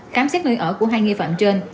khám xét nơi ở của hai nghi phạm trên